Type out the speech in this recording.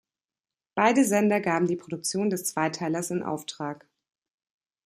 Beide Sender gaben die Produktion des Zweiteilers in Auftrag.